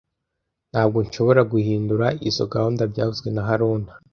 Ntabwo nshobora guhindura izoi gahunda byavuzwe na haruna